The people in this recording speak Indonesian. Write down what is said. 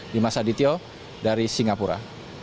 dimas adityo dari singapura